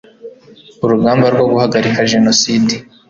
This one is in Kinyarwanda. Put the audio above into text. urugamba rwo guhagarika jenoside